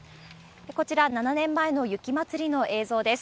こちら、７年前の雪まつりの映像です。